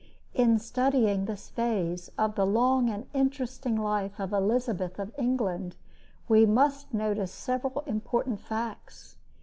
In studying this phase of the long and interesting life of Elizabeth of England we must notice several important facts.